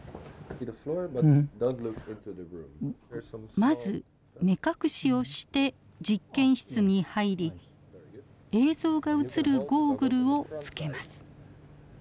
まず目隠しをして実験室に入り映像が映るゴーグルをつけます。